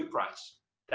dengan harga yang bagus